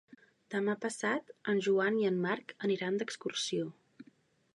Demà passat en Joan i en Marc aniran d'excursió.